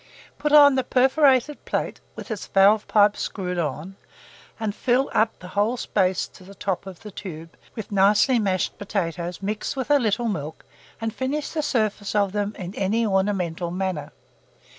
Put on the perforated plate, with its valve pipe screwed on, and fill up the whole space to the top of the tube with nicely mashed potatoes mixed with a little milk, and finish the surface of them in any ornamental manner.